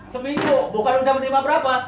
seminggu bukan sudah menerima berapa